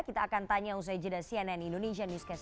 kita akan tanya ust ejeda cnn indonesia newscast